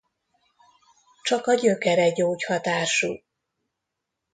Csak a gyökere gyógyhatású.